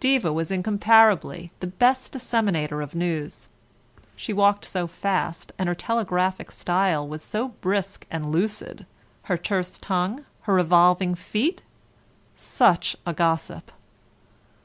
Diva was incomparably the best disseminator of news: she walked so fast, and her telegraphic style was so brisk and lucid. Her terse tongue, her revolving feet! Such a gossip!